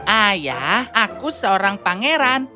ayah aku seorang pangeran